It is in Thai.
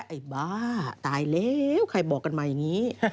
ไอ้บ้าตายแล้วใครบอกกันมาอย่างนี้